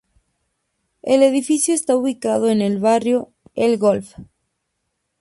El edificio está ubicado en el barrio El Golf.